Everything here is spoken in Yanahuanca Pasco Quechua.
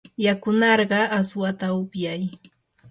yakunarqaa aswata upyay.